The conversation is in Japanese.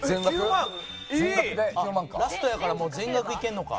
ラストやからもう全額いけるのか。